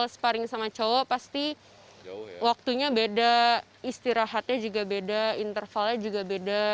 sparring sama cowok pasti waktunya beda istirahatnya juga beda intervalnya juga beda